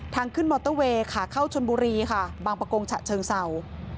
ทางขึ้นมอเตอร์เวย์ค่ะเข้าชนบุรีค่ะบางประกงฉะเชิงเศร้า